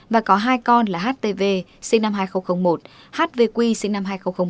và có hai con là h t v sinh năm hai nghìn một h v q sinh năm hai nghìn ba